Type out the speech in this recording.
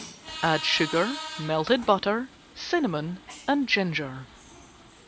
Add sugar, melted butter, cinnamon and ginger.